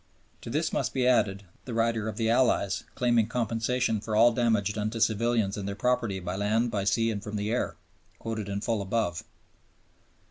To this must be added the rider of the Allies, claiming compensation for all damage done to civilians and their property by land, by sea, and from the air (quoted in full above).